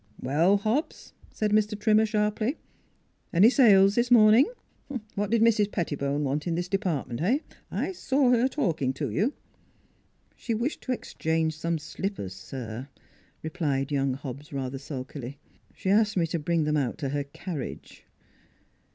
"Well, Hobbs," said Mr. Trimmer sharply, " any sales this morning? ... What did Mrs. Pettibone want in this department eh? I saw her talking to you." " She wished to exchange some slippers, sir," replied young Hobbs, rather sulkily. " She asked me to bring them out to her carriage."